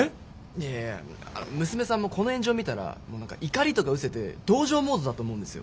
いやいや娘さんもこの炎上見たらもう何か怒りとか失せて同情モードだと思うんですよ。